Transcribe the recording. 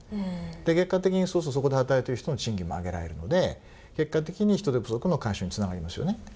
結果的に、そうするとそこで働いてる人の賃金も上げられるので結果的に人手不足の解消につながりますよね。